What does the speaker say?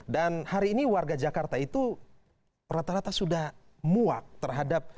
dan hari ini warga jakarta itu rata rata sudah muak terhadap jakarta